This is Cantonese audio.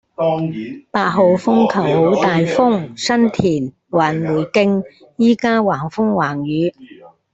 八號風球好大風，新田環湖徑依家橫風橫雨